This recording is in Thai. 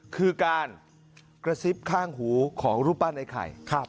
คือการกระซิบข้างหูของรูปปั้นไอ้ไข่